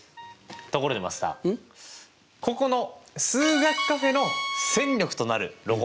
ここの数学カフェの戦力となるロゴマーク